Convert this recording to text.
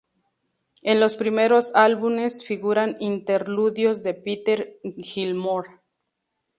En los primeros álbumes figuran interludios de Peter H. Gilmore.